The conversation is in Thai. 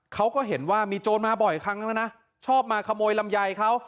เขาก็เห็นว่ามีโจรมาบ่อยครั้งแล้วนะชอบมาขโมยลำไยเขา